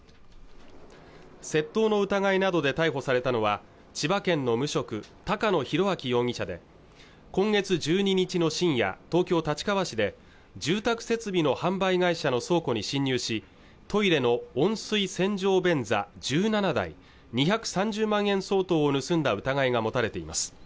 窃盗の疑いなどで逮捕されたのは千葉県の無職高野裕章容疑者で今月１２日の深夜、東京・立川市で住宅設備の販売会社の倉庫に侵入しトイレの温水洗浄便座１７台２３０万円相当を盗んだ疑いが持たれています